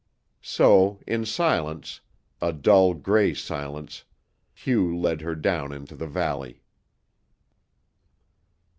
So, in silence a dull gray silence Hugh led her down into the valley.